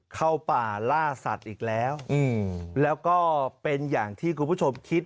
เข้าป่าล่าสัตว์อีกแล้วแล้วก็เป็นอย่างที่คุณผู้ชมคิด